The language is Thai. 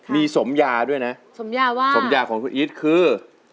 มีสมยาด้วยนะสมยาของคุณอีทคือ